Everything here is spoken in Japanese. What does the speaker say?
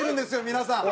皆さん。